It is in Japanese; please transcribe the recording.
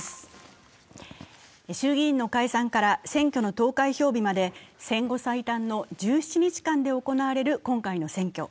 衆議院の解散から選挙の投開票日まで戦後最短の１７日間で行われる今回の選挙。